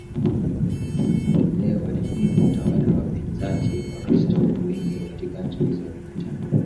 leo walipinga utawala wa Bizanti Wakristo wengi katika nchi hizo walikataa